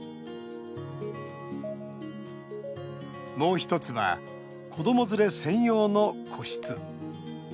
もう１つは子ども連れ専用の個室。